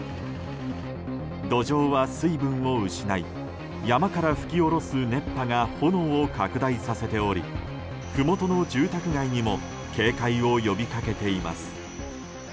土壌は水分を失い山から吹きおろす熱波が炎を拡大させておりふもとの住宅街にも警戒を呼びかけています。